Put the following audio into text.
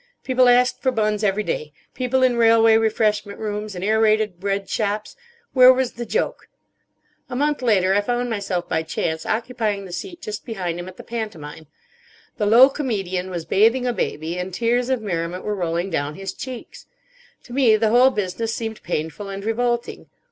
People asked for buns every day—people in railway refreshment rooms, in aerated bread shops. Where was the joke? A month later I found myself by chance occupying the seat just behind him at the pantomime. The low comedian was bathing a baby, and tears of merriment were rolling down his cheeks. To me the whole business seemed painful and revolting.